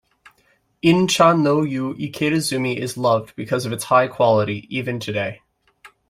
In Cha no yu Ikeda-zumi is loved because of its high quality even today.